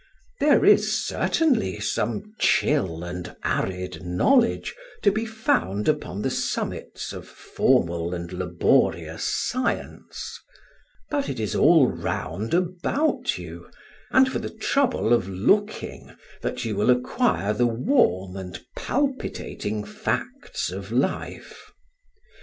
There is certainly some chill and arid knowledge to be found upon the summits of formal and laborious science; but it is all round about you, and for the trouble of looking, that you will acquire the warm and palpitating facts of life.